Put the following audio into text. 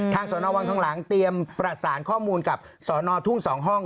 ทางสอนอวังคลังหลังเตรียมประสานข้อมูลกับสอนอทุ่งสองห้อง